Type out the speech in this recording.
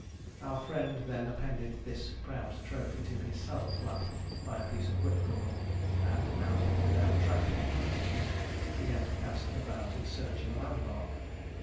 Our friend then appended this proud trophy to his saddle flap by a piece of whipcord, and, mounting the now tractable Hercules, began to cast about in search of a landmark.